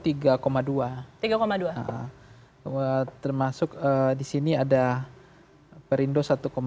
iya termasuk di sini ada perindo satu lima